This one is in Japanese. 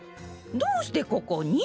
どうしてここに？